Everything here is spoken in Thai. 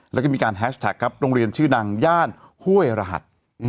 แล้วก็มีการแฮชแทคโรงเรียนชื่อดังญาติเว้ยรหัส